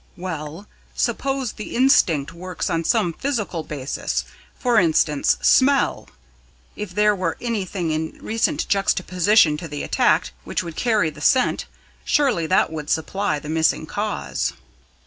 "Well, suppose the instinct works on some physical basis for instance, smell. If there were anything in recent juxtaposition to the attacked which would carry the scent, surely that would supply the missing cause."